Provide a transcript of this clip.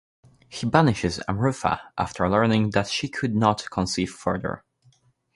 He banishes Amrutha after learning that she could not conceive further.